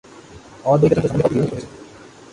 অদ্বৈতাচার্য সম্বন্ধে কয়েকটি জীবনী রচিত হয়েছে।